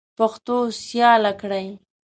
پښتو سیاله کړئ.